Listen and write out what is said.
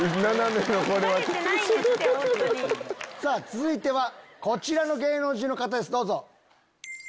続いてはこちらの芸能人の方ですどうぞ。